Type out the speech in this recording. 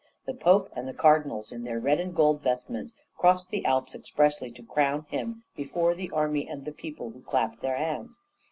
The Pope and the cardinals, in their red and gold vestments, crossed the Alps expressly to crown him before the army and the people, who clapped their hands.